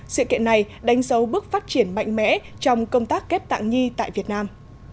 sự kiện này đánh dấu bước phát triển mạnh mẽ trong công tác ghép tạng nhi tại việt nam